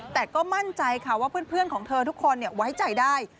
แต่ก็มั่นใจค่ะว่าเพื่อนของเธอทุกคนไว้ใจได้